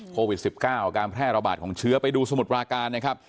โควิด๑๙การแพร่ระบาดของเชื้อไปดูสมุทรปราการนะครับ